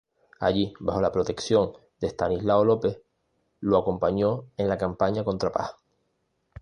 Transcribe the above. Allí, bajo la protección de Estanislao López, lo acompañó en la campaña contra Paz.